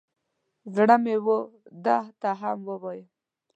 زړه مې و ده ته هم ووایم.